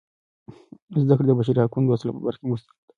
زده کړه د بشري حقونو د اصل په برخه کې مؤثره ده.